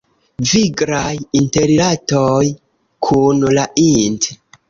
Viglaj interrilatoj kun la int.